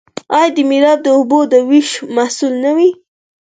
آیا میرآب د اوبو د ویش مسوول نه وي؟